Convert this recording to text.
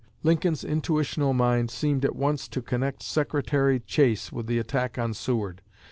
Lincoln's intuitional mind seemed at once to connect Secretary Chase with the attack on Seward.